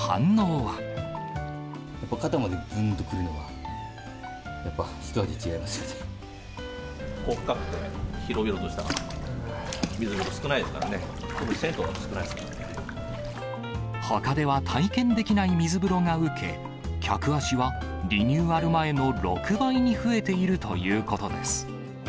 やっぱ肩までずんと来るのは、深くて広々とした水風呂、少ないですからね、ほかでは体験できない水風呂がウケ、客足はリニューアル前の６倍に増えているということです。